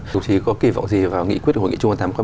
dù chỉ có kỳ vọng gì vào nghị quyết của hội nghị trung hoa tạm